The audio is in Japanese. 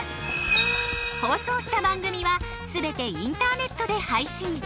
放送した番組はすべてインターネットで配信。